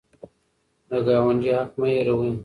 د ګاونډي حق مه هېروئ.